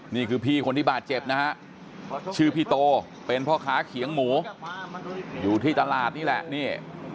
เหตุการณ์นี้เป็นเพื่อใครพบเจอนะครับเหตุการณ์นี้เป็นเพื่อ